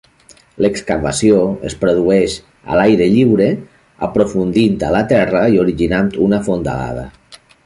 L'excavació es produeix a l'aire lliure, aprofundint a la terra i originant una fondalada.